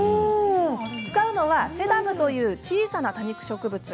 使うのはセダムという小さな多肉植物。